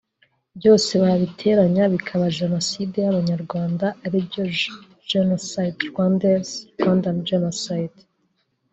byose wabiteranya bikaba genocide y’abanyarwanda aribyo genocide Rwandais/ Rwandan genocide